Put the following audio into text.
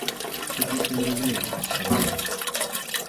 Тут есть недоразумение, — сказал он.